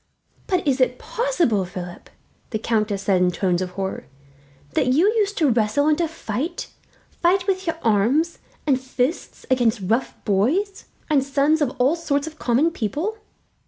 "But is it possible, Philip," the countess said in tones of horror, "that you used to wrestle and to fight? Fight with your arms and fists against rough boys, the sons of all sorts of common people?"